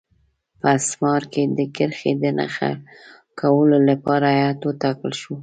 په اسمار کې د کرښې د نښه کولو لپاره هیات وټاکل شو.